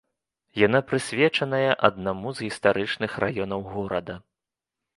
Яна прысвечаная аднаму з гістарычных раёнаў горада.